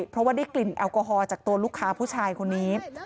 เพราะว่าได้กลิ่นแอลกอฮอลจากตัวลูกค้าผู้ชายคนนี้